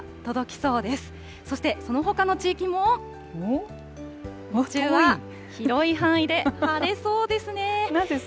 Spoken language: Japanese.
そしてそのほかの地域も、広い範囲で晴れそうですね。